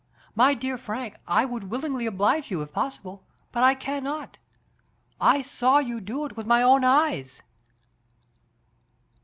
My dear Frank, I would willingly oblige you if possible, but I can not. I saw you do it with my own eyes